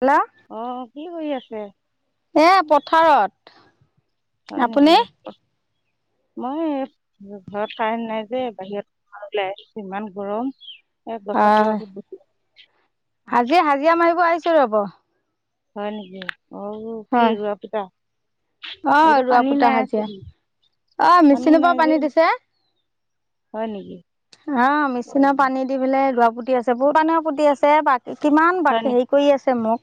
Hello অ কি কৰি আছে। এ পথাৰত। হয় আপুনি নেকি মই ঘৰত কাৰেণ্ট নাই যে বাহিৰত। [unintelligible] ইমান গৰম এ গছৰ তলতে বহি হাজিয়া হাজিয়া মাৰিব আহিছো ৰ'ব। হয় নেকি? অ কি হয় ৰোৱা কিবা? অ এতিয়া ৰোৱা পানী পুতা নাই। হাজিৰা অ পানী মেচিনৰ নাই পৰা যে। দিছে হয় নেকি? অ মেচিনৰ পানী দি পেলাই ৰুৱা পুতি আছে। বহুত মানুহে পুতি আছে কিমান হয় বাকি হেই নেকি কৰি আছে মোক।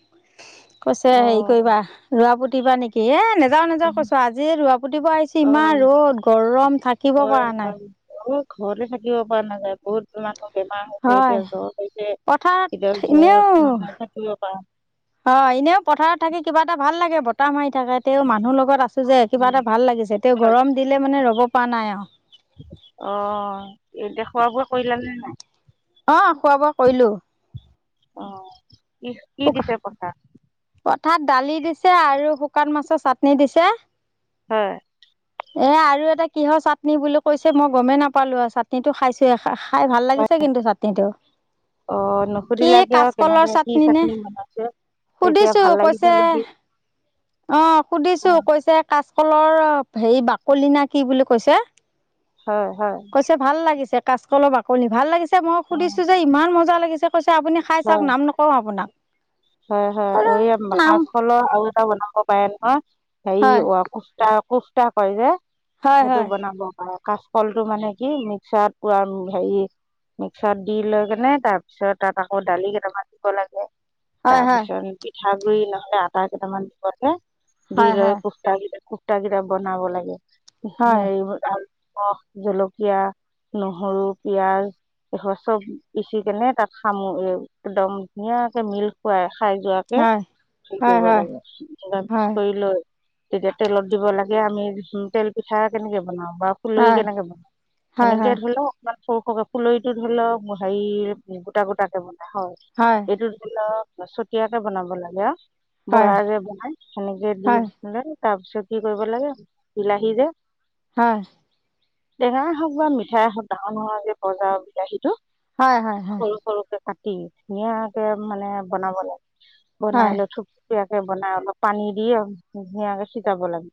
কৈছে, অ হেই কৰিবা। ৰোৱা পুতিবা নেকি? এ নেযাও নেযাও কৈছো আজিয়ে ৰোৱা পুতিব আহিছোঁ। অ ইমান ৰ'দ গৰম থাক হয়, ভাল অ ঘৰতো থাকিব পৰা নাযায়। বহুত মানুহ বেমাৰ হৈছে। হয় এতিয়া জ্বৰ হৈছে পথাৰত কেতিয়া জ্বত এনেও মানে থাকিব পাৰা নাই। অ এনেও পথাৰত থাকি কিবা এটা ভাল লাগে, বতাহ মাৰি থাকে তে হয় মানুহৰ লগত আছে যে কিবা নেকি? এটা ভাল লাগিছে। তেও হয়। গৰম দিলে মানে ৰ'ব পৰা নাই আও। অ এতিয়া খোৱা-বোৱা কৰিলা নে নাই? অ, খোৱা-বোৱা কৰিলোঁ। অ কি কি দিছে পইচা? তাত দালি দিছে আৰু শুকান মাছৰ চাটনি দিছে। হয়। এ আৰু এটা কিহৰ চাটনি বুলি কৈছে, মই গমেই নাপালো আৰু চাটনিটো খাইছো এ খাই ভাল লাগিছে কিন্তু চাটনিটো। অ কি নুসুধিলা কিয়? কাচকলৰ কেনেকে কি নে চাটনি বনাইছে? তেতিয়া সুধিছো ভাল লাগিছে কৈছে যদি অ অ সুধিছো কৈছে কাচকলৰ হেৰি বাকলি না কি বুলি কৈছে। হয় হয় কৈছে ভাল লাগিছে। কাচকলৰ বাকলি ভাল লাগিছে, মই অ সুধিছো যে ইমান মজা লাগি গৈছে আপুনি খাই চাওক। নাম নকও আপোনাক। হয়-হয়, বোলো এই নাম কাচকলৰ আৰু এটা বনাব পাৰে নহয়। হেৰি হয় অ কুচা কোচা কৰে যে হয় সেইটো হয় বনাব সপাই। কাচকলটো মানে কি মিক্সাৰত পৰা হেৰি মিক্সাৰত দি লৈ কেনে তাৰ পিছত তাত আকৌ দালি কেইটামান দিব লাগে। হয় তাৰ হয় পিছত পিঠাগুৰি নহলে আটা কেইটামান দিব লাগে। দি হয় লৈ পোষ্টা কেইটা পুস্তা বিলাক বনাব লাগে। হয় হেৰি হল ৰস, জলকীয়া, নহৰু, পিয়াজ এই চব পিচি কেনে তাত খানো। এ একদম ধুনীয়াকে মিল্ক ঢাক খুৱাই খাই যোৱাকে হয় হেৰি হয় কৰিব হয় লাগে, এবাৰ মিক্স হয় কৰি লৈ তেতিয়া তেলত দিব লাগে। আমি উম তেল পিঠা কেনেকে বনাওঁ বা ফুলৰি হয় কেনেকে বন হয় সেনেকে হয় ধৰিলেও অকমান সৰু সকে ফুলৰিটো ধৰি লও হেৰি গোটা গোটাে বনাই হয় এইটো ধৰি লওঁক চতিয়াকে বনাব লাগে আও। হয় বৰা যে বনাই সেনেকে হয় দিপিনে তাৰ পিছত কি কৰিব লাগে বিলাহী যে হা। টেঙাই হওক বা মিঠাই হওক, ডাঙৰ ডাঙৰকে বজাৰৰ বিলাহীটো হয় হয় হয় হয় হয় সৰু সৰুকে কাটি কাটি ধুনীয়াকে মানে বনাব লাগে। বনাই হয় লৈ থোপ থূপ থূপিয়াকে বনাই অলপ পানী দি ধুনীয়াকে ছিটাব লাগে।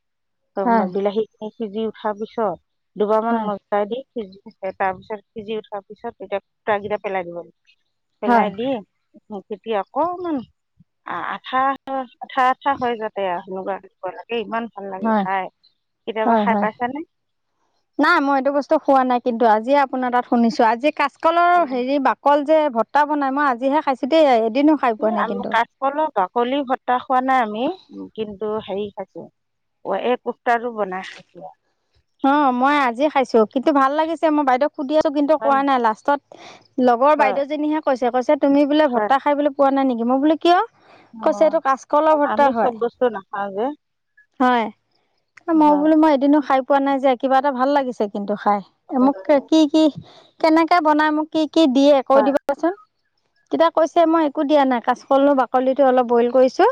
হয় [unintelligible] বিলাহী সিজি উঠাৰ পিছত দুবাৰ মান হয় মজলাই দি সিজি তাৰ পিছত সিজি উঠাৰ পিছত এতিয়া পুটাকিটা পেলাই দিব লাগে। পেলাই দি তেতিয়া অকমান আঠা আঠা আঠা হয় যাতে সেনেকোৱা। ইমান ভাল লাগে হয় খাই। কেতিয়াবা হয় খাই হয় পাইছানে? নাই, মই এইটো বস্তু খোৱা নাই। কিন্তু আজি আজিয়ে আপোনাৰ তাত শুনিছো। আজি কাচকলৰ হেৰি বাকল যে ভত্তা বনাই মই আজিহে খাইছো দেই। এদিনো খাই পোৱা নাই আমি কিন্তু কাচকলৰ বাকলি ভট্টা খোৱা নাই আমি, কিন্তু হেৰি খাইছো এই কুটাটো বনাই খাইছো আৰু অ মই আজি খাইছো কিন্তু ভাল লাগিছে মই বাইদেউক সুধিয়ো কিন্তু হয় কোৱা নি? নাই লাষ্টত লগৰ হয় বাইদেজনীহে কৈছে কৈছে তুমি বোলে হয় ভতা খাই বোলে পোৱা নাই নেকি মই বোলো কিয় কৈছে অঁ এইটো কাচকল ভৰ্তা আমি হয়। চব বস্তু নাখাওঁ যে হয় মই হয় বোলো মই এদিনো খাই পোৱা নাই যে কিবা এটা ভাল লাগিছে কিন্তু খাই, মোক কি-কি কেনেকে বনাই মোক কি কি দিয়ে কৈ হয় দিবাচোন তেতিয়া কৈছে মই একো দিয়া নাই কাচকলো বাকলিটো অলপ বইল কৰিছোঁ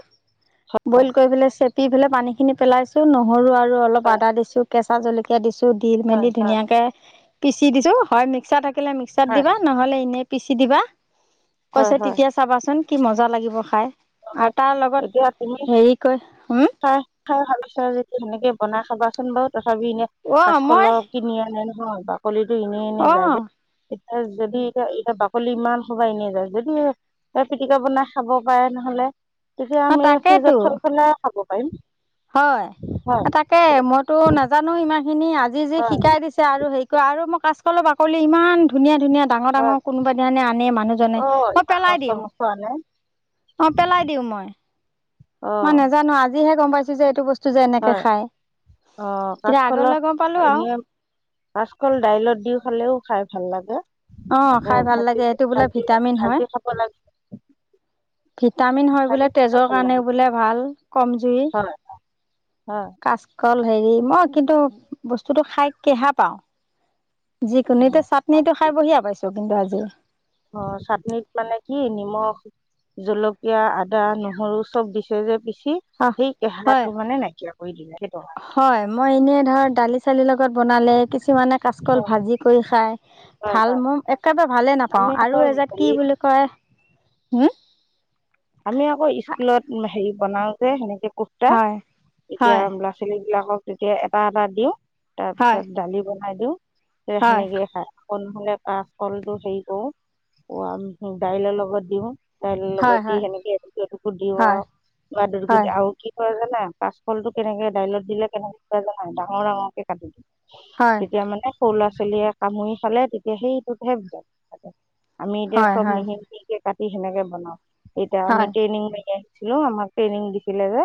বইল কৰি পেলালে চেপি পেলাই পানী খিনি পেলাইছো নহৰু আৰু অলপ হয় আদা দিছো কেঁচা জলকীয়া দিছো দি হয় হয় মেলি হয় ধুনীয়াকে পিচি দিছো হয় মিক্সাৰ থাকিলে মিক্সাত হয় দিবা নহ'লে এনেই পিচি দিবা হয় কৈছে হয় তেতিয়া চাবাচোন কি মজা লাগিব খাই অঁ আৰু তাৰ লগত এতিয়া তুমি হেৰি কৈ হম খাই খাই ভালপাইছ যদি সেনেকে বনাই খাবাচোন বাৰু তথাপি এনে অ' মই কাচকলৰ কিনি আনে নহয় বাকলিটো এনেই-এনেই যায় দেই। অ' এ যদি এতিয়া-এতিয়া বাকলি ইমান সোপাই এনেইয়ে যায় যদি পিটিকা বনাই খাব পাৰে নহলে তেতিয়া আমি তাকেইতো ফ্ৰিজত থৈ পেলাই খাব পাৰিম। হয় হয় তাকে মইতো নাজানো ইমান খিনি আজি যে হয় শিকাই দিছে আৰু হেৰি কৰা আৰু মই কাচকলৰ বাকলি ইমান ধুনীয়া ধুনীয়া হয় ডাঙ-ডাঙৰ কোনোবা এদিনাখনি আনে মানুহজনে অ' মই ইমান পেলাই মস্ত দিওঁ। মস্ত আনে অঁ পেলাই দিওঁ মই। অ' মই নাজানো আজিহে গম পাইছো যে এইটো বস্তু যে এনেকে হয় খাই। অ কাচকলৰ আৰু এনে কাচকল দাইলত দি খালেও খাই ভাল লাগে অ আকৌ খাই ভাল লাগে ভাজি এইটো বোলে ভাজি ভিটামিন হয় ভাজি খাব লাগে ভিটামিন হয় ভাজি বোলে খালেও তেজৰ ভাল কাৰণে লাগে বোলে ভাল কম জুৰি। হয় হয় কাচকল হেৰি মই কিন্তু বস্তুটো খাই কেহা পাও যিকোনো অ' চাটনিটো বেয়া পাইছো কিন্তু আজি অ চাটনিত মানে কি নিমখ জলকীয়া, আদা, নহৰু চব দিছে যে পিচি আহ সেই হয় কেহাটো মানে নাইকিয়া কৰি সেইটো হয় মই এনেই ধৰক দালি চালিৰ লগত বনালে কিছুমানে কাচকল ভাজি কৰি খায় ভাল হয় মোৰ একেবাৰে ভালে নাপাওঁ আমি আকৌ আৰু এজাত কি হেৰি বুলি কয় হম আমি আকৌ স্কুলত হেৰি বনাও যে সেনেকে কুৰ্তা হয় এতিয়া হয় ল'ৰা -ছোৱালী বিলাকক তেতিয়া এটা-এটা দিওঁ হয় তাৰপিছত দালি বনাই দিওঁ সেয়া হয় সেনেকেই খাই। নহ'লে কাচকলটো হেৰি কৰো দাইলৰ লগত দিওঁ দাইলৰ হয় লগত দি হয় সেনেকে এটকো-এটকো দিওঁ হয় আৱ হয় আৰু কি খোৱা যেনাই কাচফলটো কেনেকে দাইলত দিলে কেনেকে খোৱা নাই ডাঙৰ ডাঙৰ কে কাটি দি হয় তেতিয়া মানে সৰু ল'ৰা-ছোৱালীয়ে কামুৰি খালে তেতিয়া সেইটোতহে আমি এতিয়া হয় চব হয় মিহি মিহিকে কাটি সেনেকে বনাও। এতিয়া আমি হয় ট্ৰেইনিং মাৰি ছিলো আমাক ট্ৰেইনিং দিছিলে যে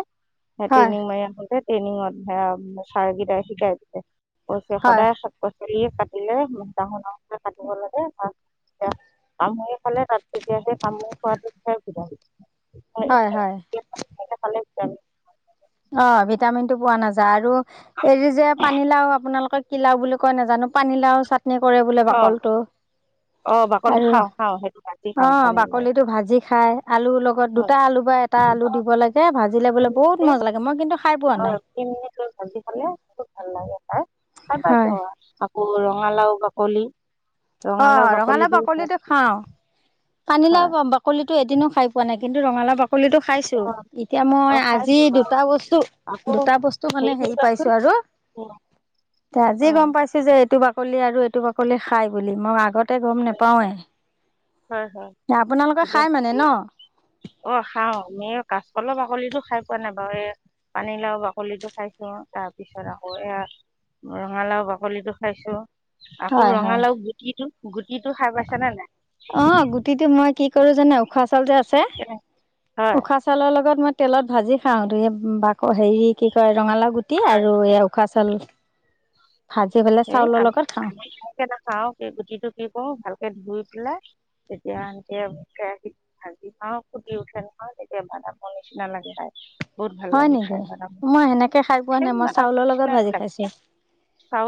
সেই হয় ট্ৰেইনিং মাৰি আহোতে ট্ৰেইনিঙত সেয়া ছাৰকেইটাই শিকাই দিছে কৈছে হয় সদায় পাছলি কাটিলে ডাঙৰ-ডাঙৰকে কাটিব লাগে তাৰ পালে তাত তেতিয়া যে কামোৰ কৰাটো সুবিধা হৈছে হয়-হয় খালে ভিটামিন ভিটামিনটো পোৱা নাযায় আৰু এৰি যে পানীলাও আপোনালোকৰ কি লাও বুলি কয় নাজানো পানীলাও চাত নি কৰে বোলে অঁ বাকলটো। অঁ বাকলিটো আৰু খাওঁ খাওঁ সেইটো ভাজি অ খাওঁ পানী লগত বাকলিতো ভাজি খাই আলুৰ লগত হয় দুটা আলু বা এটা আলু দিব লাগে ভাজিলে বোলে বহুত মজা লাগে মই কিন্তু খাই পোৱা অ নাই তিনি মিনিট ভাজি খালে খোব ভাল লাগে খাই পাইছ হয় আকৌ ৰঙালাও বাকলি অহ, ৰঙালাও বাকলিটো খাও খাই পানীলাও বা- বাকলি এদিনো খাই পোৱা নাই কিন্তু ৰঙালাও বাক বাকলিটো খাইছো অঁ এতিয়া অঁ মই আজি খাইছোঁ বাৰু দুটা বস্তু- দুটা বস্তু মানে হেৰি পাইছো আৰু উম তে আজি গম পাইছো যে এইটো বাক বাকলি আৰু এইটো বাকলি খাই বুলি মই আগতে গম নেপাওৱেই। হয়-হয় ন [unintelligible] অ খাও আমি কা [unintelligible] কলৰ বাকলিটো খাই পোৱা নাই বাৰু এই পানীলাও বাকলিটো খাইছো তাৰ পিছত আকৌ এয়া ৰঙালাও বাকলিটো খাইছোঁ। আকৌ হয় হয় ৰঙালাউ গুটিটো- গুটিটো খাই পাইছা নে নাই? অহ, গুটিটো মই কি কৰো যানে উশাহ চাউল যে আছে কেনে হয়, উশাহ চাউলৰ লগত মই তেলত ভাজি খাওঁ হেৰি কি কয় ৰঙালাউ গুটি হয়, আৰু এই উখা চাউল। ভাজি পেলাই সেই চাউলৰ আমি লগত খাওঁ [unintelligible] নাখাও সেই গুটিটো কি কৰো ভালকে ধুই পেলাই তেতিয়া আনকে কেৰাহীত ভাজি খাওঁ ফুটি উঠে নহয় তেতিয়া বাদামৰ নিচিনা লাগে খায়। হয় নেকি মই সেনেকে খাই পোৱা ছেম নাই মই বাদামৰ চাউলৰ লগত ভাজি খাইছো।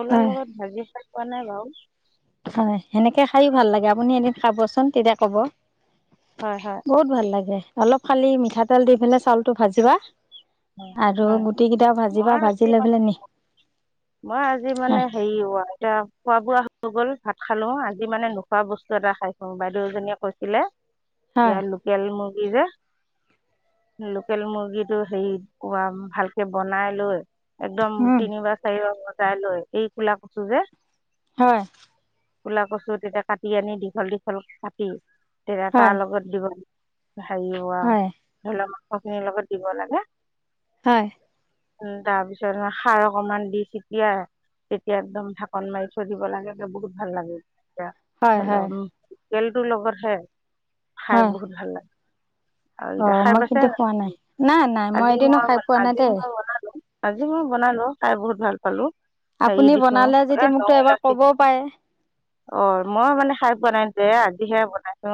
ফুলৰ হয় লগত ভাজি খাই পোৱা নাই বাৰু। হয়, সেনেকে খাইয়ো ভাল লাগে আপুনি এদিন খাবচোন তেতিয়া ক'ব। হয় হয় বহুত ভাল লাগে অলপ খালি মিঠাতেল দি পেলাই চাউলটো ভাজিবা। হয় আৰু হয় গুটিকেইটা মই ভাজিবা আজি ভাজি লৈ পেলাই মি [unintelligible] মই আজি মানে হেৰি ৱাতা খোৱা-বোৱা [unintelligible] গল ভাত খালো আজি মানে নোখোৱা বস্তু এটা খাইছো বাইদেউ এজনীয়ে কৈছিলে হয় ইয়াৰ লোকেল মুৰ্গী যে লোকেল মুৰ্গীটো হেৰি উহাম ভালকে বনাই লৈ একদম উম তিনিবাৰ চাৰিবাৰ চাই লৈ এই কোলা কচু যে হয় কোলা কচু তেতিয়া কাটি আনি দীঘল -দীঘল কাটি তেতিয়া হয় তাৰ লগত দিব ভাজিব আই হয় ধৰি লক মাংস খিনিৰ লগত দিব লাগে। হয়। উম, তাৰ পিছত খাৰ অকমান দি চটিয়াই তেতিয়া একদম ঢাকন মাৰি থৈ দিব লাগে বহুত ভাল লাগে। এয়া হয় ধৰি হয় লও উম তেলটোৰ লগত হে খাই বহুত ভাল লাগে। আৰু এতিয়া অহ, খাই মই পাইছে কিন্তু খোৱা নাই-নাই-নাই আজি মই আজি মই বনালো- আজি মই বনালো খাই বহুত ভাল পালো। হেৰি আপুনি দিছো বনালে যদি এই লং, মোকতো এবাৰ ইলাচী ক'বও পাৰে অহ মই মানে খাই পোৱা নাই। যে আজিহে বনাইছো,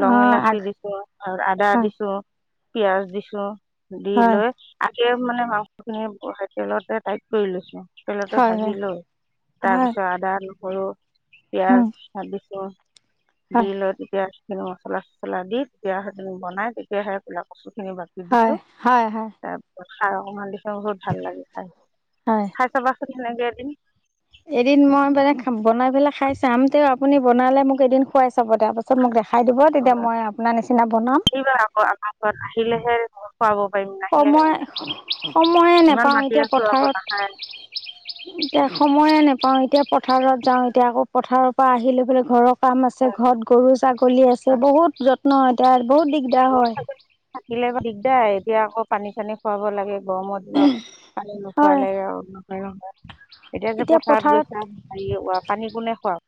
লং, অঁ ইলাচি আগ দিছো আৰু আদা হয় দিছো পিয়াজ দিছো, দি হয় লৈ [unintelligible] তেলতে হয় ভাজি লৈ তাৰ হয় পিছত আদা, নহৰু, হয় পিয়াঁজ ভাজিছো দি হয় লৈ তেতিয়া সেইখিনি মছলা- চছলা দি তেতিয়া সেইখিনি বনাই তেতিয়াহে কোলা কচু খিনি বাছি দিছো। হয় হয় -হয় খাৰ অকমান দিলে বহুত ভাল লাগে খাই হয় খাই চাবাচোন সেনেকে এদিন। এদিন মই মানে বনাই পেলাই খাই চাম তেও আপুনি বনালে মোক এদিন খুৱাই চাব তাৰ পাছত মোক দেখা খাই দিব তেতিয়া মই আপোনাৰ নিচিনা বনাম। আহিবা আকৌ আমাৰ ঘৰত আহিলেহে খোৱাব পাৰিম নাহিলে সময় কেনেকৈ খোৱাম -সময়ে ইমান নোপাওঁ মাতি এতিয়া আছোঁ আকৌ পথাৰত নাখায় এতিয়া সময়ে নোপাও এতিয়া পথাৰত যাওঁ এতিয়া আকৌ পথাৰৰ পৰা আহি লৈ পেলাই ঘৰক কাম আছে ঘৰত গৰু, ছাগলী আছে বহুত যত্ন হয় তে আৰ বহুত দিগদাৰ হয়। থাকিলে দিগদাৰ এতিয়া আকৌ পানী চানী খুৱাব লাগে। গৰমৰ দিনত পানী হয় নোখোৱালে আৰু ন। এতিয়া যে পথাৰত গৈছা পানী কোনে খোৱা?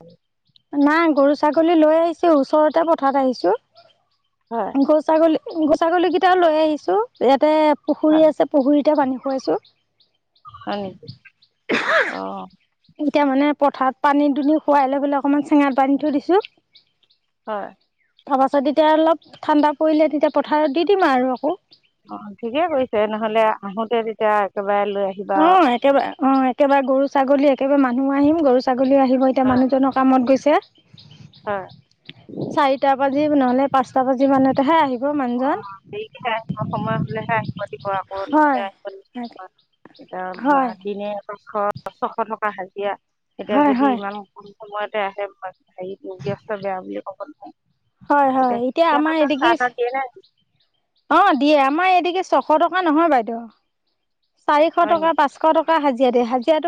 নাই গৰু, ছাগলী লৈ আহিছো ওচৰতে পথাৰত আহিছো হয় গৰু, ছাগলী [unintelligible] উম গৰু, ছাগলীকেইটাও লৈ আহিছোঁ। ইয়াতে [unintelligible] পুখুৰী হয় আছে পুখুৰীতে পানী খুৱাইছো। অ এতিয়া মানে পথাৰত পানী দুনি খোৱাই লৈ পেললে অকমান চেঙাত পানী থৈ দিছো। হয়। তাৰ পাছত এতিয়া অলপ ঠাণ্ডা পৰিলে তেতিয়া পথাৰত দি দিম আৰু আকৌ। অ ঠিকে কৈছে নহলে আহোতে তেতিয়া [unintelligible] আহিবা অ একেবাৰে, অ একেবাৰে গৰু, ছাগলী একেবাৰে মানুহো আহিম গৰু, ছাগলী আহিব এতিয়া হয় মানুহজনৰ কামত গৈছে। [inaudible] হয় চাৰিটা বাজি নহলে পাঁচটা বাজি মানতে হে আহিব। [unintelligible] অ সকেই আহিব সময় হলেহে। কৰা আকৌ ন হয় আহ হয় এতিয়া মানে হয় দিনে শ ছশ টকা হাজিৰা এতিয়া যদি হয় ইমান কম সময়তে আহে হেৰিত ব্যস্ত বেয়া বুলি ক'ব নোৱাৰো। হয় হয় এতিয়া আমাৰ এদিগি তাহ দিয়ে নে অ দিয়ে আমাৰ এদিগি চ এশ টকা নহয় বাইদেউ চাৰিশ হয় টকা নেকি পাঁচশ টকা হাজিৰা দিয় হাজিৰা।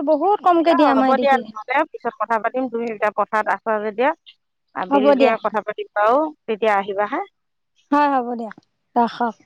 হ'ব দিয়া নহ'লে পিছত কথা পাতিম তুমি যেতিয়া পথাত আছা যেতিয়া হ'ব আবেলিকে দিয়া কথা পাতিম বাও তেতিয়া আহিবা হা। হয় হ'ব দিয়ক ৰাখক।